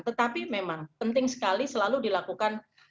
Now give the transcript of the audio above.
tetapi memang penting sekali selalu dilakukan